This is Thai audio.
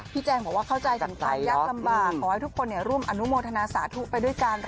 แจงบอกว่าเข้าใจถึงความยากลำบากขอให้ทุกคนร่วมอนุโมทนาสาธุไปด้วยกัน